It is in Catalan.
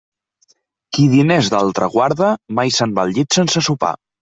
Qui diners d'altre guarda, mai se'n va al llit sense sopar.